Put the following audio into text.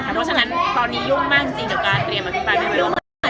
เพราะฉะนั้นตอนนี้โย่งมากถึงกันกว่าการเตรียมอภิกายไม่ไว้วางใจ